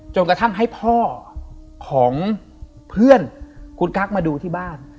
กระทั่งให้พ่อของเพื่อนคุณกั๊กมาดูที่บ้าน